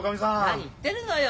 何言ってるのよ。